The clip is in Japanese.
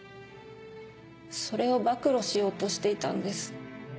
それを暴露しようとしていたんです。